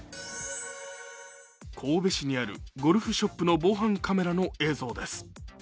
神戸市にあるゴルフショップの防犯カメラの映像です。